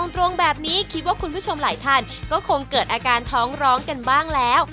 ตรงแบบนี้คิดว่าคุณผู้ชมหลายท่านก็คงเกิดอาการท้องร้องกันบ้างแล้ว